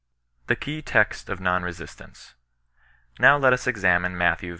THE K£Y TEXT OF NON RESISTANCE. Now let us examine Matt. v.